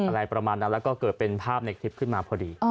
อะไรประมาณนั้นแล้วก็เกิดเป็นภาพในคลิปขึ้นมาพอดี